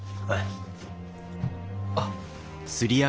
あっ。